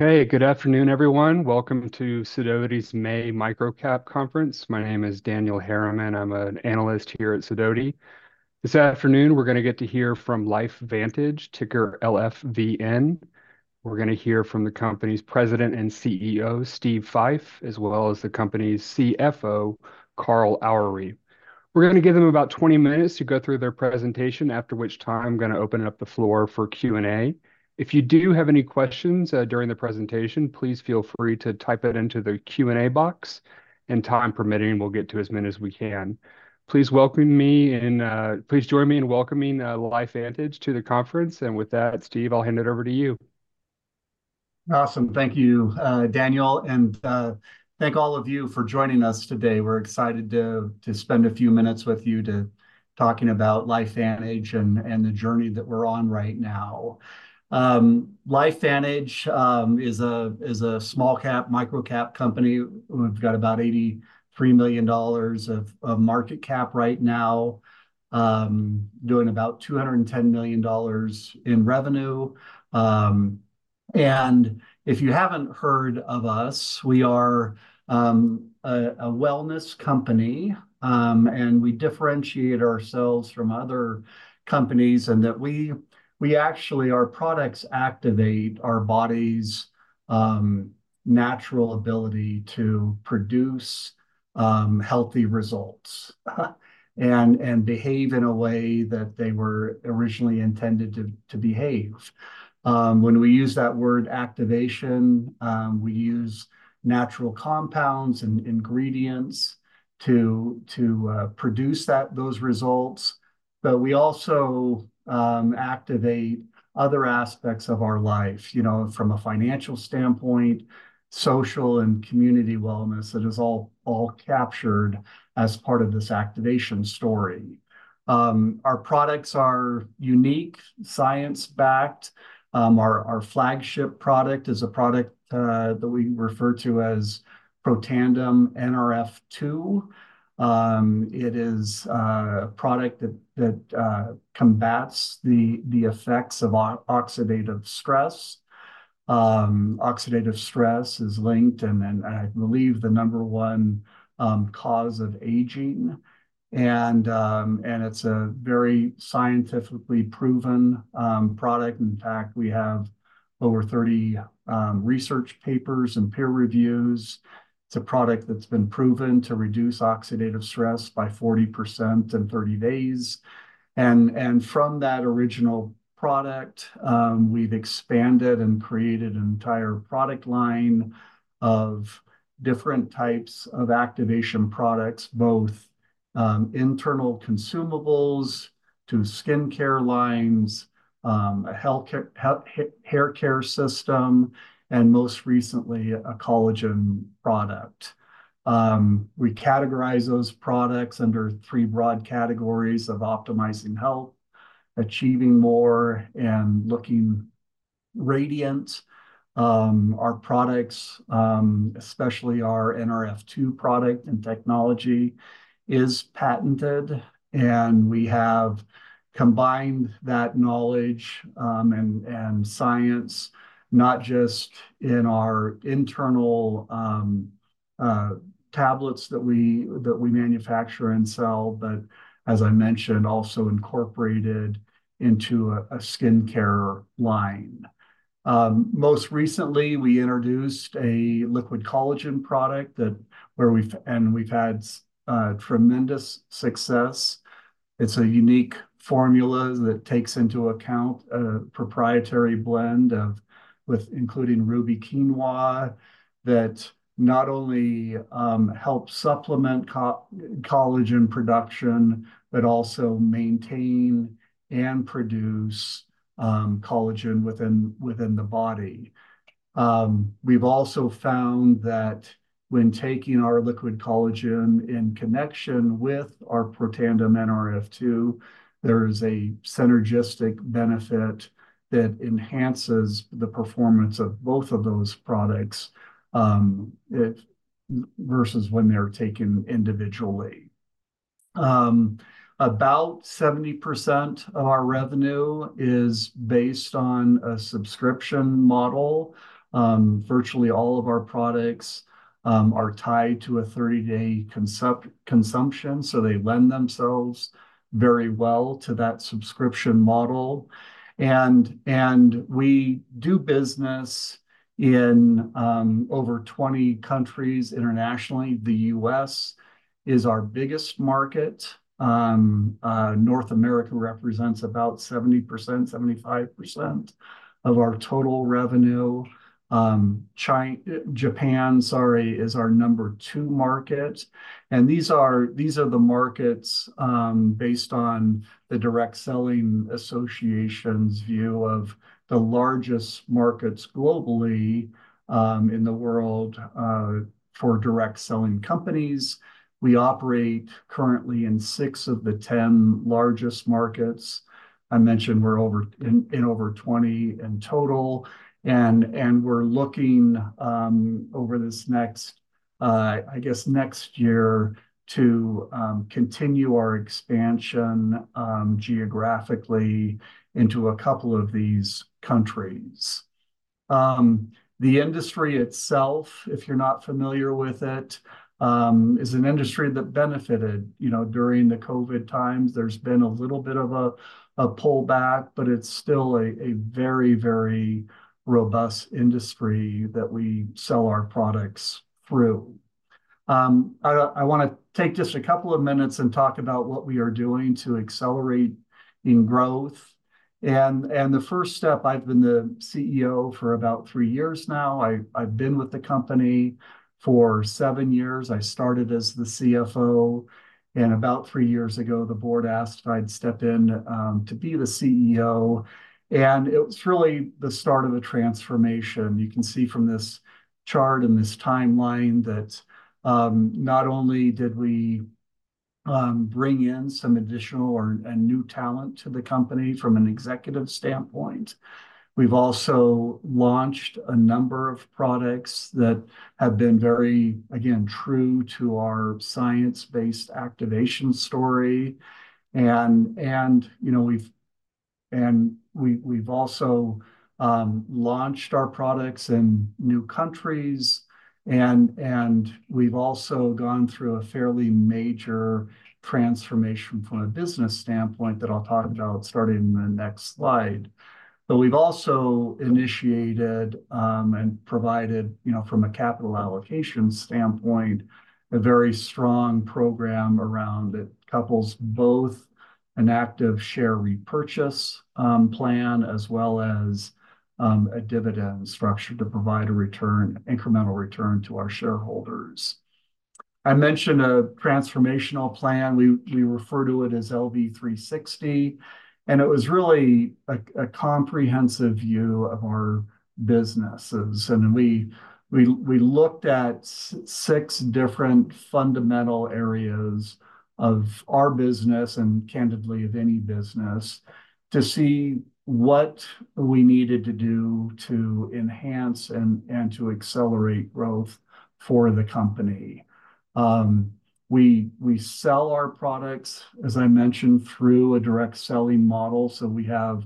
Hey, good afternoon, everyone. Welcome to Sidoti's May Microcap Conference. My name is Daniel Harriman. I'm an analyst here at Sidoti. This afternoon, we're gonna get to hear from LifeVantage, ticker LFVN. We're gonna hear from the company's president and CEO, Steve Fife, as well as the company's CFO, Carl Aure. We're gonna give them about 20 minutes to go through their presentation, after which time I'm gonna open up the floor for Q&A. If you do have any questions during the presentation, please feel free to type it into the Q&A box, and time permitting, we'll get to as many as we can. Please welcome me in, please join me in welcoming LifeVantage to the conference. And with that, Steve, I'll hand it over to you. Awesome. Thank you, Daniel, and thank all of you for joining us today. We're excited to spend a few minutes with you talking about LifeVantage and the journey that we're on right now. LifeVantage is a small cap, microcap company. We've got about $83 million of market cap right now, doing about $210 million in revenue. And if you haven't heard of us, we are a wellness company, and we differentiate ourselves from other companies in that we actually, our products activate our body's natural ability to produce healthy results, and behave in a way that they were originally intended to behave. When we use that word activation, we use natural compounds and ingredients to produce those results, but we also activate other aspects of our life, you know, from a financial standpoint, social and community wellness, that is all captured as part of this activation story. Our products are unique, science-backed. Our flagship product is a product that we refer to as Protandim Nrf2. It is a product that combats the effects of oxidative stress. Oxidative stress is linked, and then I believe, the number one cause of aging, and it's a very scientifically proven product. In fact, we have over 30 research papers and peer reviews. It's a product that's been proven to reduce oxidative stress by 40% in 30 days, and from that original product, we've expanded and created an entire product line of different types of activation products, both internal consumables to skincare lines, a haircare system, and most recently, a collagen product. We categorize those products under three broad categories of optimizing health, achieving more, and looking radiant. Our products, especially our Nrf2 product and technology, is patented, and we have combined that knowledge, and science not just in our internal tablets that we manufacture and sell, but as I mentioned, also incorporated into a skincare line. Most recently, we introduced a liquid collagen product that where we've had tremendous success. It's a unique formula that takes into account a proprietary blend with, including Ruby Quinoa, that not only helps supplement collagen production, but also maintain and produce collagen within the body. We've also found that when taking our liquid collagen in connection with our Protandim Nrf2, there is a synergistic benefit that enhances the performance of both of those products versus when they're taken individually. About 70% of our revenue is based on a subscription model. Virtually all of our products are tied to a 30-day consumption, so they lend themselves very well to that subscription model. We do business in over 20 countries internationally. The U.S. is our biggest market. North America represents about 70%-75% of our total revenue. Japan, sorry, is our number two market, and these are, these are the markets based on the Direct Selling Association's view of the largest markets globally in the world for direct selling companies. We operate currently in six of the 10 largest markets. I mentioned we're in over 20 in total, and we're looking over this next, I guess next year to continue our expansion geographically into a couple of these countries. The industry itself, if you're not familiar with it, is an industry that benefited, you know, during the COVID times. There's been a little bit of a pullback, but it's still a very robust industry that we sell our products through. I wanna take just a couple of minutes and talk about what we are doing to accelerate in growth. And the first step, I've been the CEO for about three years now. I've been with the company for seven years. I started as the CFO, and about three years ago, the board asked if I'd step in to be the CEO, and it was really the start of the transformation. You can see from this chart and this timeline that not only did we bring in some additional and new talent to the company from an executive standpoint, we've also launched a number of products that have been very, again, true to our science-based activation story. You know, we've also launched our products in new countries, and we've also gone through a fairly major transformation from a business standpoint that I'll talk about starting in the next slide. But we've also initiated and provided, you know, from a capital allocation standpoint, a very strong program around it, couples both an active share repurchase plan, as well as a dividend structure to provide a return, incremental return to our shareholders. I mentioned a transformational plan. We refer to it as LV360, and it was really a comprehensive view of our businesses, and we looked at six different fundamental areas of our business, and candidly, of any business, to see what we needed to do to enhance and to accelerate growth for the company. We sell our products, as I mentioned, through a direct selling model, so we have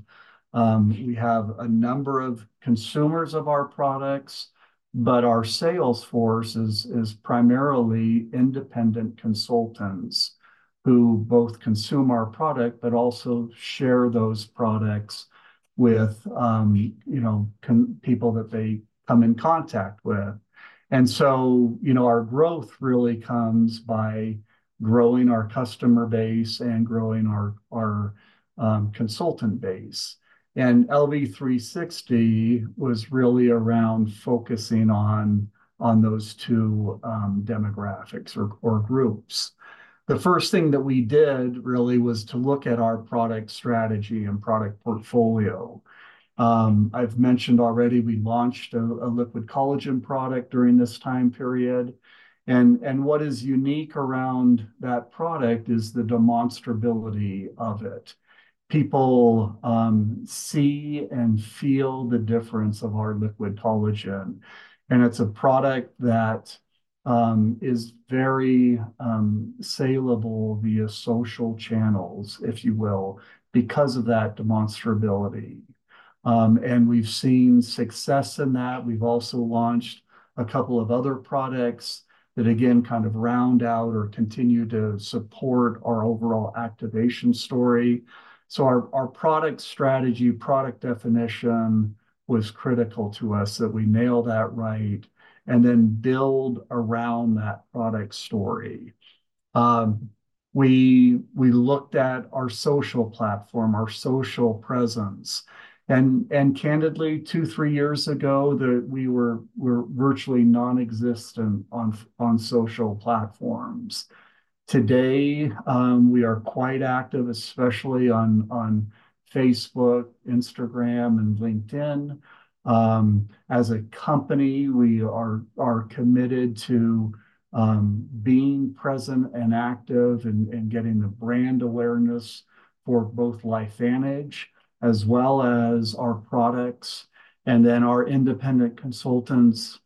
a number of consumers of our products, but our sales force is primarily independent consultants, who both consume our product, but also share those products with, you know, people that they come in contact with. So, you know, our growth really comes by growing our customer base and growing our consultant base. LV360 was really around focusing on those two demographics or groups. The first thing that we did really was to look at our product strategy and product portfolio. I've mentioned already, we launched a liquid collagen product during this time period, and what is unique around that product is the demonstrability of it. People see and feel the difference of our liquid collagen, and it's a product that is very saleable via social channels, if you will, because of that demonstrability. We've seen success in that. We've also launched a couple of other products that, again, kind of round out or continue to support our overall activation story. Our product strategy, product definition, was critical to us, that we nail that right, and then build around that product story. We looked at our social platform, our social presence, and candidly, two to three years ago, we were virtually non-existent on social platforms. Today, we are quite active, especially on Facebook, Instagram, and LinkedIn. As a company, we are committed to being present and active and getting the brand awareness for both LifeVantage as well as our products, and then our independent consultants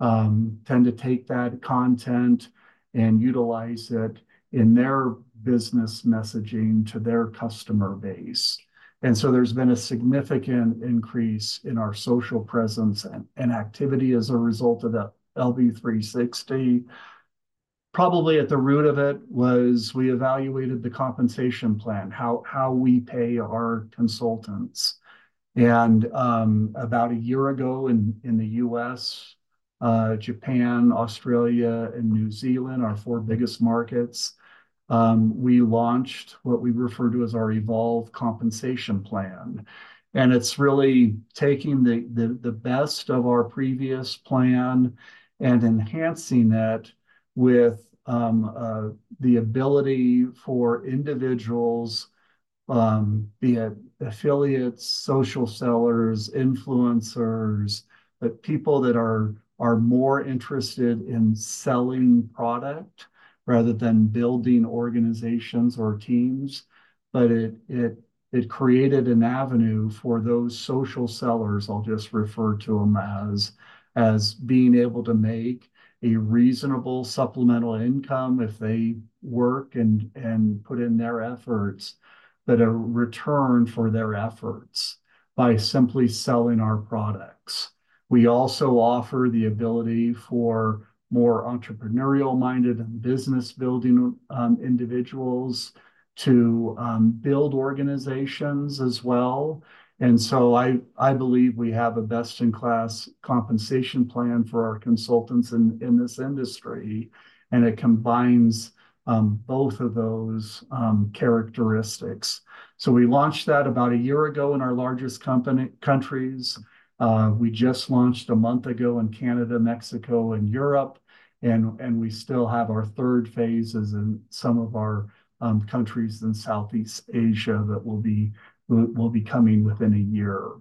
tend to take that content and utilize it in their business messaging to their customer base. And so there's been a significant increase in our social presence and activity as a result of the LV360. Probably at the root of it was we evaluated the compensation plan, how we pay our consultants. About a year ago, in the U.S., Japan, Australia, and New Zealand, our four biggest markets, we launched what we refer to as our Evolve Compensation Plan, and it's really taking the best of our previous plan and enhancing it with the ability for individuals, be it affiliates, social sellers, influencers, but people that are more interested in selling product rather than building organizations or teams, but it created an avenue for those social sellers. I'll just refer to them as being able to make a reasonable supplemental income if they work and put in their efforts, but a return for their efforts by simply selling our products. We also offer the ability for more entrepreneurial-minded and business-building individuals to build organizations as well. I believe we have a best-in-class compensation plan for our consultants in this industry, and it combines both of those characteristics. We launched that about a year ago in our largest countries. We just launched a month ago in Canada, Mexico, and Europe, and we still have our third phases in some of our countries in Southeast Asia that will be coming within a year.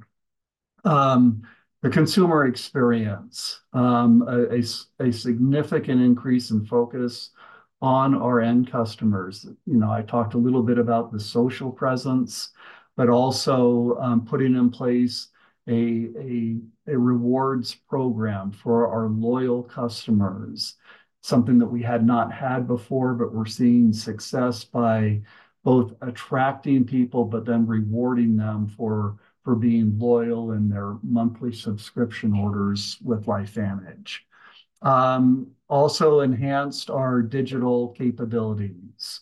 The consumer experience, a significant increase in focus on our end customers. You know, I talked a little bit about the social presence, but also putting in place a rewards program for our loyal customers, something that we had not had before, but we're seeing success by both attracting people, but then rewarding them for being loyal in their monthly subscription orders with LifeVantage. Also enhanced our digital capabilities.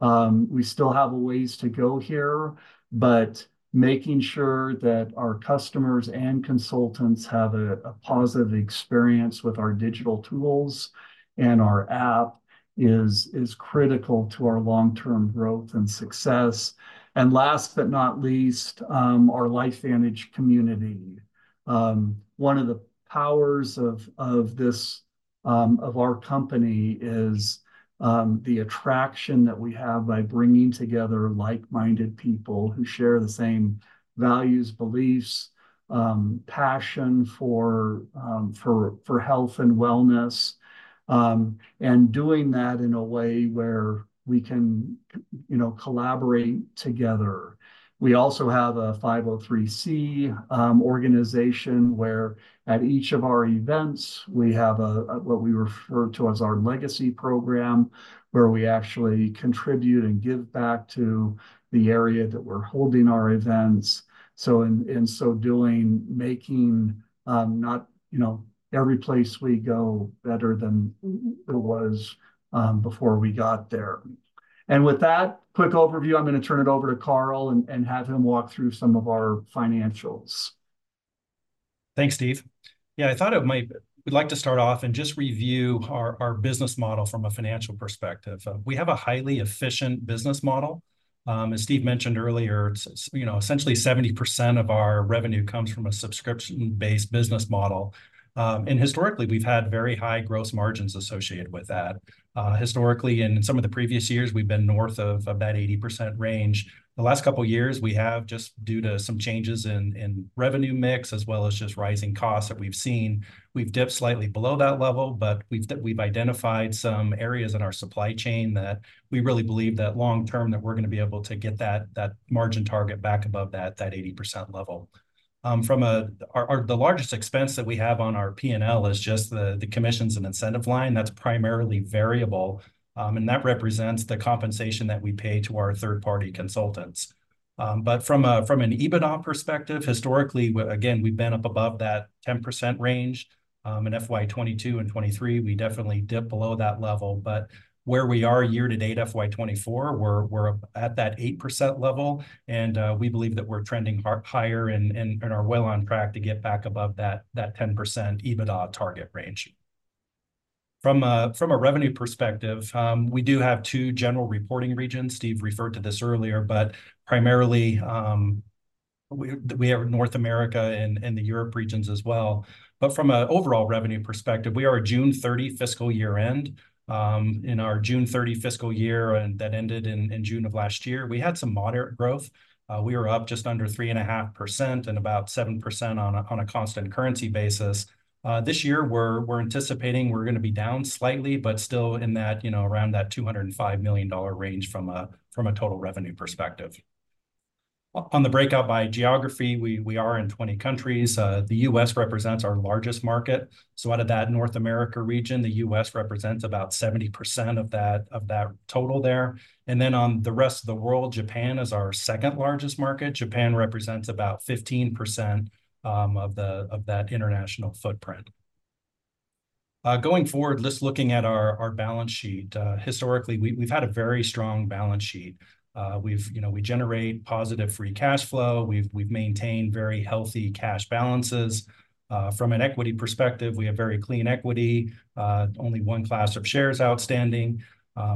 We still have a ways to go here, but making sure that our customers and consultants have a positive experience with our digital tools and our app is critical to our long-term growth and success. And last but not least, our LifeVantage community. One of the powers of our company is the attraction that we have by bringing together like-minded people who share the same values, beliefs, passion for health and wellness, and doing that in a way where we can, you know, collaborate together. We also have a 501(c)(3) organization, where at each of our events, we have what we refer to as our legacy program, where we actually contribute and give back to the area that we're holding our events. So in so doing, making not, you know, every place we go better than it was before we got there. With that quick overview, I'm gonna turn it over to Carl and have him walk through some of our financials. Thanks, Steve. Yeah, I thought it might—we'd like to start off and just review our, our business model from a financial perspective. We have a highly efficient business model. As Steve mentioned earlier, you know, essentially, 70% of our revenue comes from a subscription-based business model. And historically, we've had very high gross margins associated with that. Historically, in some of the previous years, we've been north of about 80% range. The last couple of years, we have, just due to some changes in, in revenue mix, as well as just rising costs that we've seen, we've dipped slightly below that level, but we've identified some areas in our supply chain that we really believe that long term, that we're gonna be able to get that, that margin target back above that, that 80% level. From a, the largest expense that we have on our P&L is just the commissions and incentive line that's primarily variable, and that represents the compensation that we pay to our third-party consultants. But from an EBITDA perspective, historically, again, we've been up above that 10% range. In FY 2022 and 2023, we definitely dipped below that level, but where we are year-to-date, FY 2024, we're at that 8% level, and we believe that we're trending higher and are well on track to get back above that 10% EBITDA target range. From a revenue perspective, we do have two general reporting regions. Steve referred to this earlier, but primarily, we have North America and the Europe regions as well. But from an overall revenue perspective, we are a June 30 fiscal year-end. In our June 30 fiscal year, and that ended in June of last year, we had some moderate growth. We were up just under 3.5% and about 7% on a constant currency basis. This year, we're anticipating we're gonna be down slightly, but still in that, you know, around that $205 million range from a total revenue perspective. On the breakout by geography, we are in 20 countries. The U.S. represents our largest market. So out of that North America region, the U.S. represents about 70% of that total there. And then on the rest of the world, Japan is our second largest market. Japan represents about 15%, of the, of that international footprint. Going forward, let's look at our, our balance sheet. Historically, we've had a very strong balance sheet. We've, you know, we generate positive free cash flow. We've, we've maintained very healthy cash balances. From an equity perspective, we have very clean equity, only one class of shares outstanding.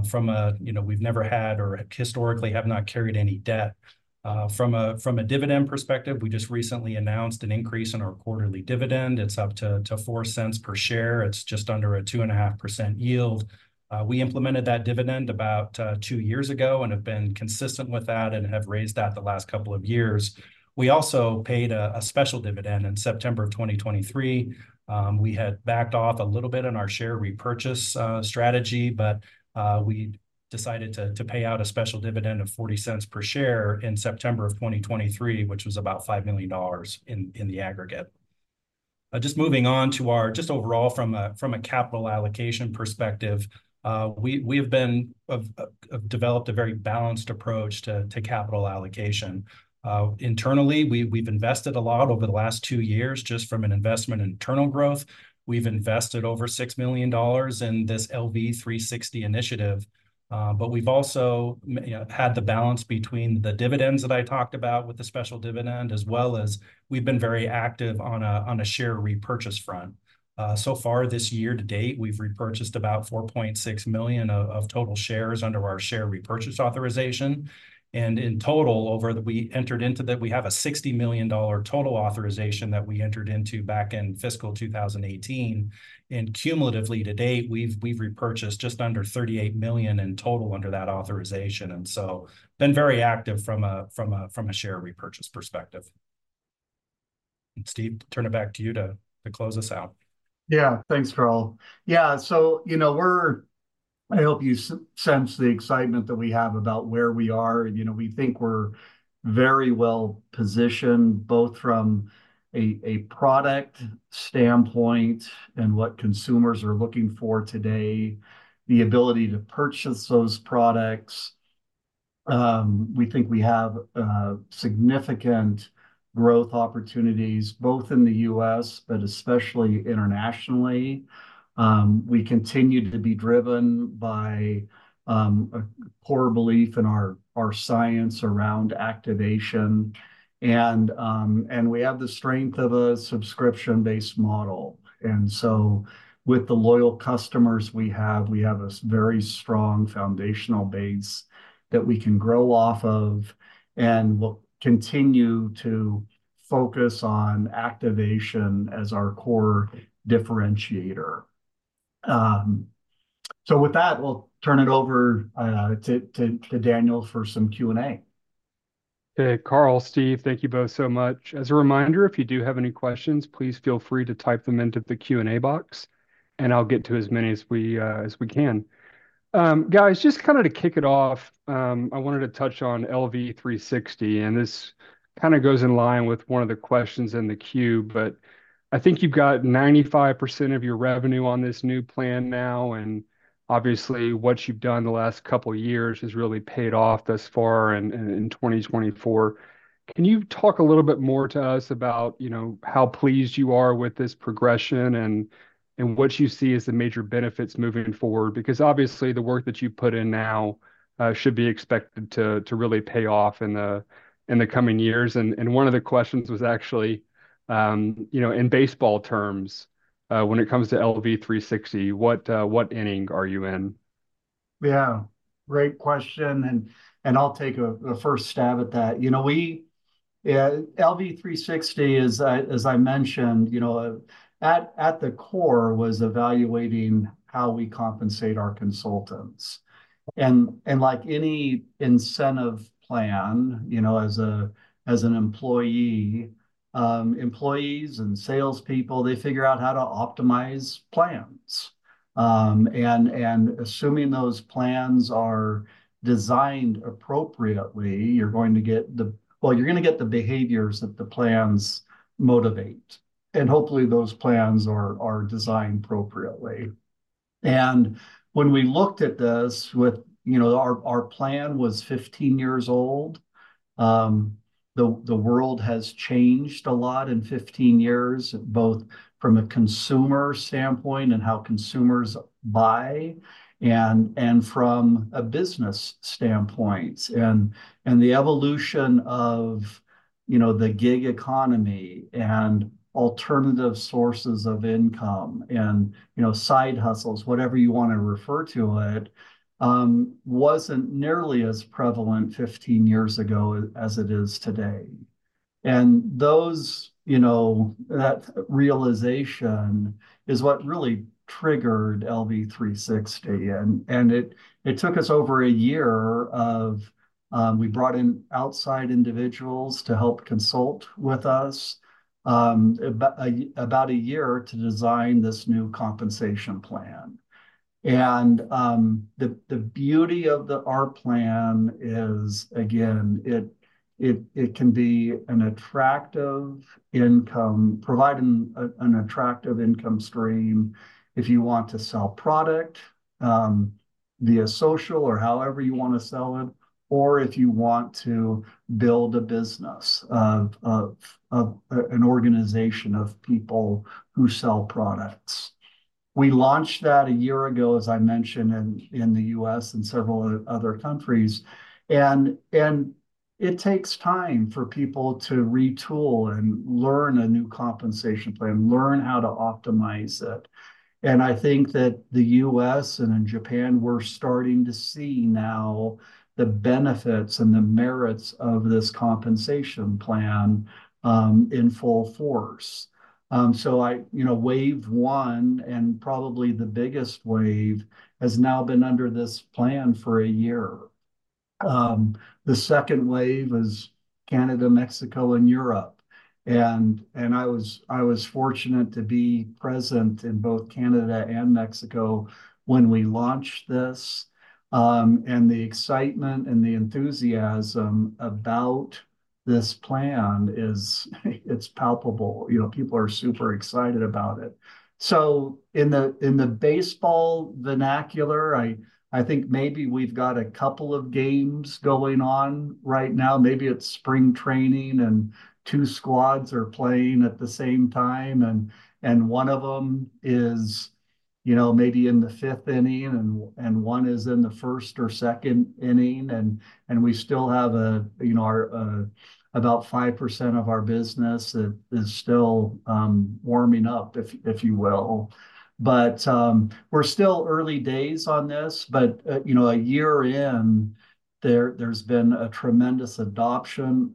From a, you know, we've never had or historically have not carried any debt. From a dividend perspective, we just recently announced an increase in our quarterly dividend. It's up to $0.04 per share. It's just under a 2.5% yield. We implemented that dividend about two years ago and have been consistent with that and have raised that the last couple of years. We also paid a special dividend in September 2023. We had backed off a little bit on our share repurchase strategy, but we decided to pay out a special dividend of $0.40 per share in September 2023, which was about $5 million in the aggregate. Just moving on. Overall, from a capital allocation perspective, we have developed a very balanced approach to capital allocation. Internally, we have invested a lot over the last two years just in investments in internal growth. We have invested over $6 million in this LV360 initiative. But we've also had the balance between the dividends that I talked about with the special dividend, as well as we've been very active on a share repurchase front. So far this year-to-date, we've repurchased about 4.6 million total shares under our share repurchase authorization. And in total, we have a $60 million total authorization that we entered into back in fiscal 2018, and cumulatively to date, we've repurchased just under 38 million in total under that authorization, and so been very active from a share repurchase perspective. Steve, turn it back to you to close us out. Yeah. Thanks, Carl. Yeah, so, you know, I hope you sense the excitement that we have about where we are, and, you know, we think we're very well-positioned, both from a product standpoint and what consumers are looking for today, the ability to purchase those products. We think we have significant growth opportunities, both in the U.S., but especially internationally. We continue to be driven by a core belief in our science around activation, and we have the strength of a subscription-based model. And so with the loyal customers we have, we have a very strong foundational base that we can grow off of, and we'll continue to focus on activation as our core differentiator. So with that, we'll turn it over to Daniel for some Q&A. Hey, Carl, Steve, thank you both so much. As a reminder, if you do have any questions, please feel free to type them into the Q&A box, and I'll get to as many as we can. Guys, just kind of to kick it off, I wanted to touch on LV360, and this kind of goes in line with one of the questions in the queue. But I think you've got 95% of your revenue on this new plan now, and obviously, what you've done the last couple of years has really paid off thus far and in 2024. Can you talk a little bit more to us about, you know, how pleased you are with this progression, and what you see as the major benefits moving forward? Because obviously, the work that you've put in now should be expected to really pay off in the coming years. And one of the questions was actually, you know, in baseball terms, when it comes to LV360, what inning are you in? Yeah, great question, and I'll take the first stab at that. You know, we. Yeah, LV360 is, as I mentioned, you know, at the core, was evaluating how we compensate our consultants. And like any incentive plan, you know, as an employee, employees and salespeople, they figure out how to optimize plans. And assuming those plans are designed appropriately, you're going to get the- well, you're gonna get the behaviors that the plans motivate, and hopefully those plans are designed appropriately. And when we looked at this with, you know, our plan was 15 years old. The world has changed a lot in 15 years, both from a consumer standpoint and how consumers buy and from a business standpoint. And the evolution of, you know, the gig economy and alternative sources of income and, you know, side hustles, whatever you want to refer to it, wasn't nearly as prevalent 15 years ago as it is today. And those, you know, that realization is what really triggered LV360. And it took us over a year of we brought in outside individuals to help consult with us about a year to design this new compensation plan. And the beauty of our plan is, again, it can provide an attractive income stream if you want to sell product via social or however you want to sell it, or if you want to build a business of an organization of people who sell products. We launched that a year ago, as I mentioned, in the U.S. and several other countries. And it takes time for people to retool and learn a new compensation plan, learn how to optimize it. And I think that the U.S. and in Japan, we're starting to see now the benefits and the merits of this compensation plan in full force. You know, wave one, and probably the biggest wave, has now been under this plan for a year. The second wave is Canada, Mexico, and Europe, and I was fortunate to be present in both Canada and Mexico when we launched this. And the excitement and the enthusiasm about this plan is, it's palpable. You know, people are super excited about it. So in the baseball vernacular, I think maybe we've got a couple of games going on right now. Maybe it's spring training, and two squads are playing at the same time, and one of them is, you know, maybe in the fifth inning, and one is in the first or second inning. And we still have, you know, our about 5% of our business that is still warming up, if you will. But we're still early days on this, but you know, a year in, there's been a tremendous adoption,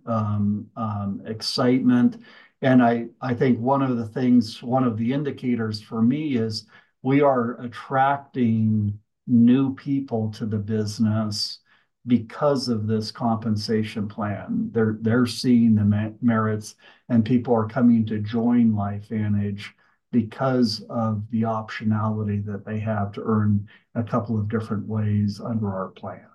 excitement. And I think one of the indicators for me is we are attracting new people to the business because of this compensation plan. They're seeing the merits, and people are coming to join LifeVantage because of the optionality that they have to earn a couple of different ways under our plan.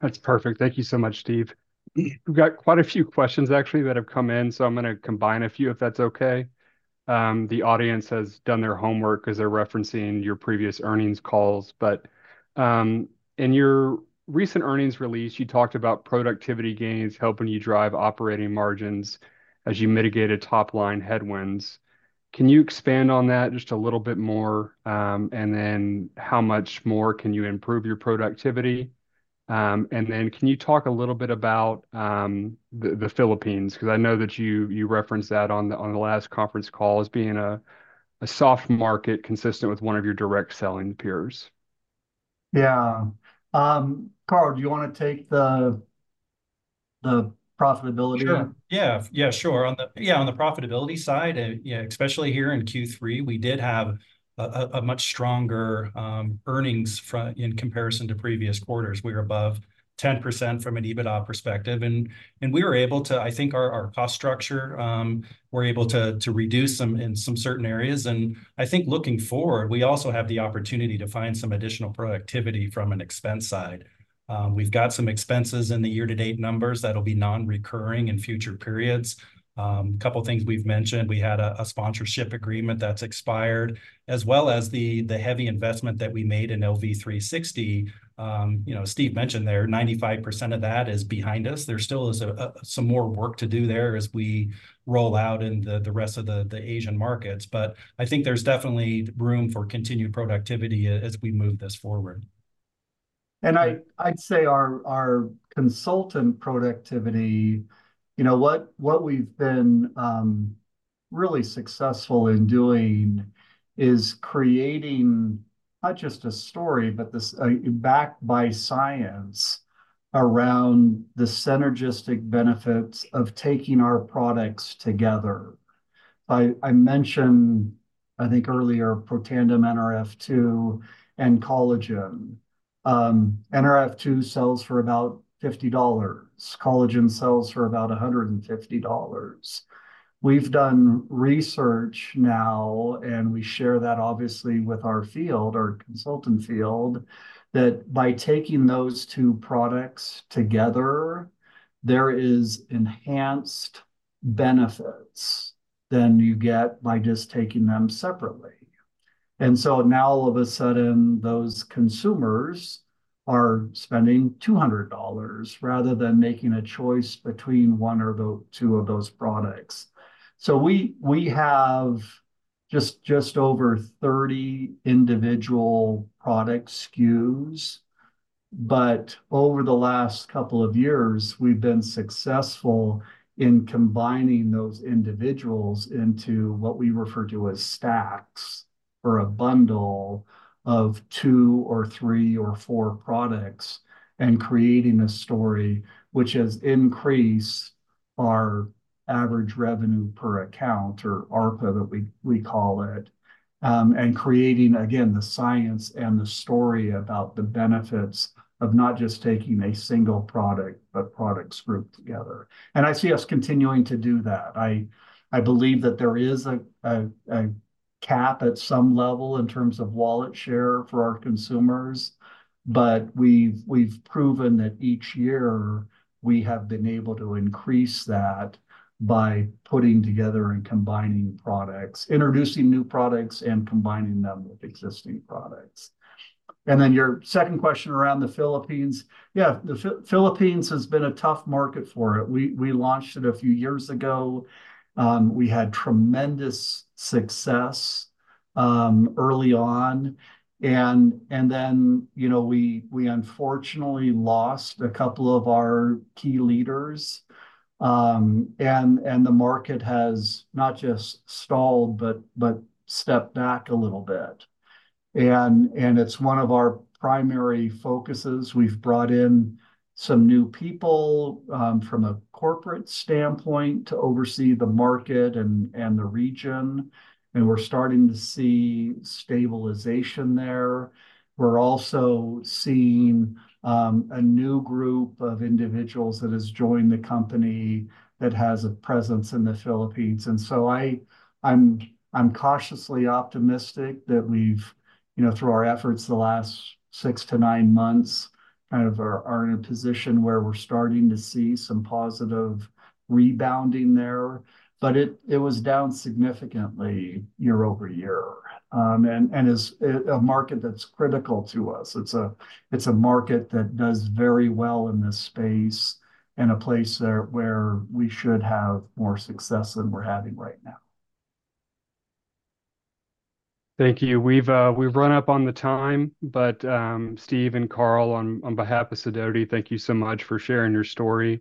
That's perfect. Thank you so much, Steve. We've got quite a few questions, actually, that have come in, so I'm gonna combine a few, if that's okay. The audience has done their homework 'cause they're referencing your previous earnings calls. But, in your recent earnings release, you talked about productivity gains helping you drive operating margins as you mitigated top-line headwinds. Can you expand on that just a little bit more? And then how much more can you improve your productivity? And then can you talk a little bit about the Philippines? 'Cause I know that you referenced that on the last conference call as being a soft market consistent with one of your direct selling peers. Yeah. Carl, do you wanna take the profitability one? Sure. Yeah. Yeah, sure. On the profitability side, yeah, especially here in Q3, we did have a much stronger earnings in comparison to previous quarters. We were above 10% from an EBITDA perspective, and we were able to. I think our cost structure, we're able to reduce some in some certain areas. And I think looking forward, we also have the opportunity to find some additional productivity from an expense side. We've got some expenses in the year-to-date numbers that'll be non-recurring in future periods. Couple things we've mentioned, we had a sponsorship agreement that's expired, as well as the heavy investment that we made in LV360. You know, Steve mentioned there, 95% of that is behind us. There still is some more work to do there as we roll out in the rest of the Asian markets, but I think there's definitely room for continued productivity as we move this forward. I'd say our consultant productivity, you know, what we've been really successful in doing is creating not just a story, but this backed by science around the synergistic benefits of taking our products together. I mentioned, I think earlier, Protandim Nrf2 and Collagen. Nrf2 sells for about $50. Collagen sells for about $150. We've done research now, and we share that obviously with our field, our consultant field, that by taking those two products together, there is enhanced benefits than you get by just taking them separately. And so now all of a sudden, those consumers are spending $200, rather than making a choice between one or the two of those products. So we have just over 30 individual product SKUs, but over the last couple of years, we've been successful in combining those individuals into what we refer to as stacks, or a bundle of two or three or four products, and creating a story which has increased our average revenue per account, or ARPA, that we call it. And creating, again, the science and the story about the benefits of not just taking a single product, but products grouped together, and I see us continuing to do that. I believe that there is a cap at some level in terms of wallet share for our consumers, but we've proven that each year we have been able to increase that by putting together and combining products, introducing new products, and combining them with existing products. Then your second question around the Philippines, yeah, the Philippines has been a tough market for it. We launched it a few years ago. We had tremendous success early on, and then, you know, we unfortunately lost a couple of our key leaders. The market has not just stalled, but stepped back a little bit. It's one of our primary focuses. We've brought in some new people from a corporate standpoint to oversee the market and the region, and we're starting to see stabilization there. We're also seeing a new group of individuals that has joined the company that has a presence in the Philippines. And so I'm cautiously optimistic that we've, you know, through our efforts the last six to nine months, kind of are in a position where we're starting to see some positive rebounding there. But it was down significantly year-over-year. And is a market that's critical to us. It's a market that does very well in this space and a place there where we should have more success than we're having right now. Thank you. We've run up on the time, but Steve and Carl, on behalf of Sidoti, thank you so much for sharing your story.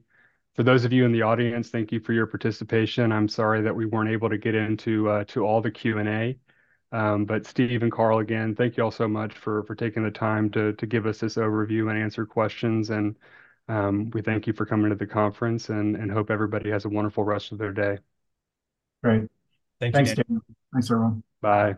For those of you in the audience, thank you for your participation. I'm sorry that we weren't able to get into all the Q&A. But Steve and Carl, again, thank you all so much for taking the time to give us this overview and answer questions. And we thank you for coming to the conference, and hope everybody has a wonderful rest of their day. Great. Thank you. Thanks, Daniel. Thanks, everyone. Bye.